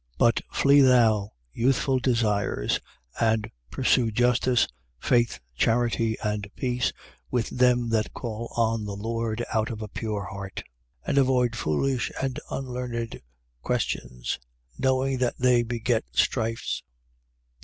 2:22. But flee thou youthful desires, and pursue justice, faith, charity and peace with them that call on the Lord out of a pure heart. 2:23. And avoid foolish and unlearned questions, knowing that they beget strifes.